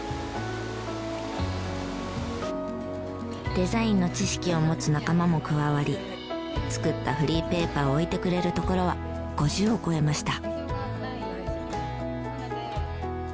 デザインの知識を持つ仲間も加わり作ったフリーペーパーを置いてくれるところは５０を超えました。